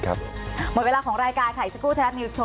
หมดเวลาของรายการให้สกุทธนีวส์โชว์